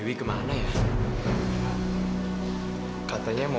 nggak tahu ada apa gimana